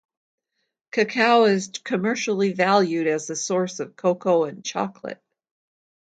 Cacao is commercially valued as the source of cocoa and chocolate.